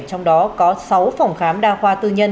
trong đó có sáu phòng khám đa khoa tư nhân